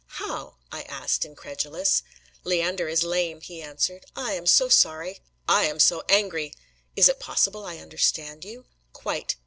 "How?" I asked incredulous. "Leander is lame," he answered. "I am so sorry!" "I am so angry!" "Is it possible I understand you?" "Quite.